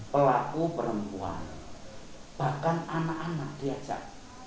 pelaku perempuan bahkan anak anak diajak